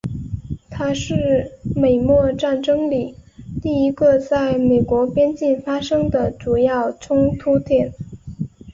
它是美墨战争里第一个在美国边境发生的主要冲突点。